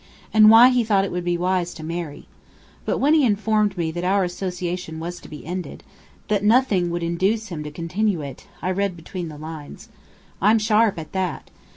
and why he thought it would be wise to marry. But when he informed me that our association was to be ended, that nothing would induce him to continue it, I read between the lines. I'm sharp at that!